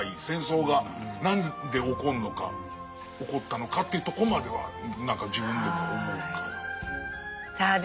戦争が何で起こるのか起こったのかというとこまではなんか自分でも思うかな。